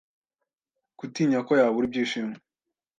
gutinyako yabura ibyishimo